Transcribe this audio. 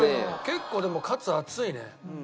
結構でもカツ厚いね。